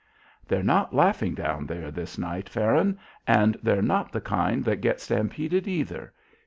"They're not laughing down there this night, Farron, and they're not the kind that get stampeded either.